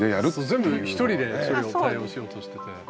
全部一人でそれを対応しようとしてて。